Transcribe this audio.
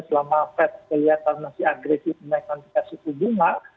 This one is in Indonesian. selama fed kelihatan masih agresif menekan dikasih ke bunga